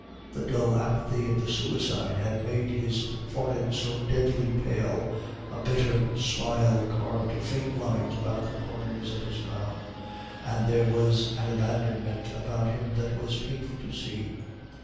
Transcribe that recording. The dull apathy of the suicide had made his forehead so deadly pale, a bitter smile carved faint lines about the corners of his mouth, and there was an abandonment about him that was painful to see.